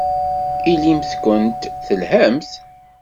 Ilimt-kent telhamt.